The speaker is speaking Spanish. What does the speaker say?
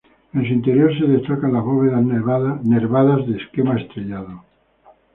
En su interior, se destaca las bóvedas nervadas de esquema estrellado.